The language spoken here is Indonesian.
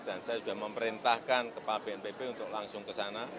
dan saya sudah memerintahkan kepala bnpb untuk langsung ke sana